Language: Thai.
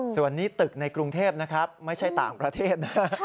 ส่วนนี้ตึกในกรุงเทพฯไม่ใช่ต่างประเทศ